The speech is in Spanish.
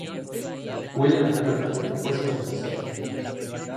William Bradford fue su sucesor.